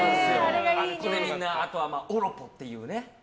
あそこでみんなオロポっていうね